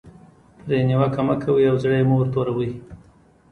پرې نیوکه مه کوئ او زړه یې مه ور توروئ.